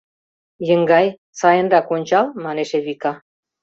— Еҥгай, сайынрак ончал, — манеш Эвика.